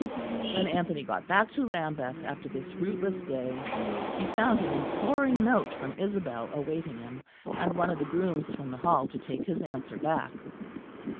When Anthony got back to Lambeth after this fruitless day, he found an imploring note from Isabel awaiting him; and one of the grooms from the Hall to take his answer back.